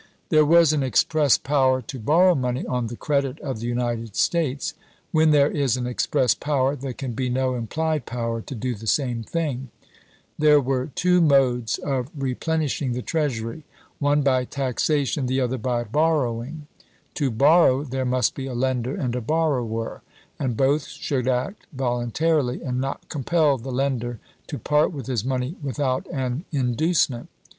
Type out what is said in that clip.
There was an express power to borrow money on the credit of the United States ; when there is an express power there can be no implied power to do the same thing ; there were two modes of replenish ing the treasury; one by taxation, the other by borrowing ; to borrow there must be a lender and a borrower, and both should act voluntarily and not compel the lender to part with his money with out an inducement.